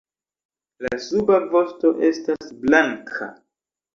La suba vosto estas blanka.